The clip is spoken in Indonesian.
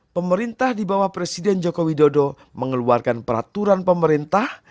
pemerintah di bawah presiden joko widodo mengeluarkan peraturan pemerintah